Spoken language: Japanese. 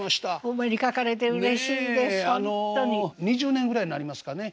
２０年ぐらいになりますかね？